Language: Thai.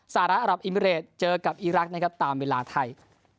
สหรัฐอัตรับอิมิเรตเจอกับอิรักษ์ตามเวลาไทย